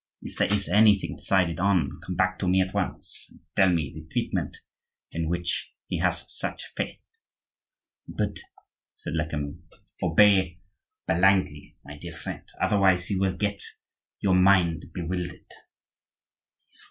If there is anything decided on, come back to me at once, and tell me the treatment in which he has such faith." "But—" said Lecamus. "Obey blindly, my dear friend; otherwise you will get your mind bewildered."